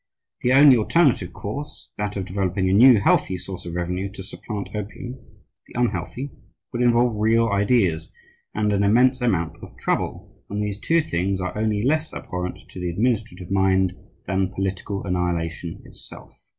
The only alternative course, that of developing a new, healthy source of revenue to supplant opium, the unhealthy, would involve real ideas and an immense amount of trouble; and these two things are only less abhorrent to the administrative mind than political annihilation itself.